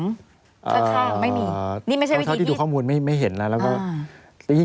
เท่าไหร่ที่จะดูข้อมูลไม่เห็นละ